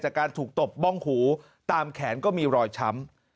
จากการถูกตบบ้องหูตามแขนก็มีรอยช้ำ